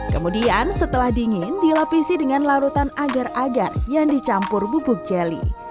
kemudian setelah dingin dilapisi dengan larutan agar agar yang dicampur bubuk jelly